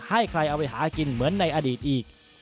ให้ใครเอาไปหากินเหมือนในอดีตอีก